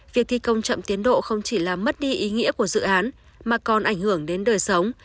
việc thi công chậm tiến độ không chỉ làm mất đi ý nghĩa của dự án mà còn ảnh hưởng đến đời sống